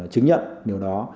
chứng nhận điều đó